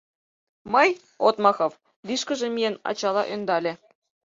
Мый, — Отмахов, лишкыже миен, ачала ӧндале.